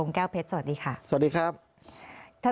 มันเป็นแบบที่สุดท้าย